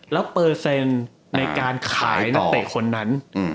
แล้วเปอร์เซ็นต์ในการขายนักเตะคนนั้น